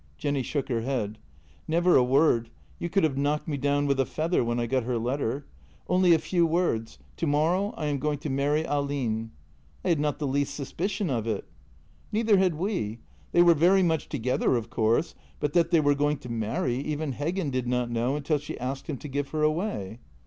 Jenny shook her head. "Never a word — you could have knocked me down with a feather when I got her letter. Only a few words: 'Tomor row I am going to marry Ahlin.' I had not the least suspicion of it." " Neither had we. They were very much together, of course, but that they were going to marry even Heggen did not know until she asked him to give her away."